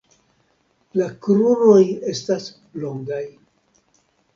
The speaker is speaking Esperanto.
La kruroj estas longaj.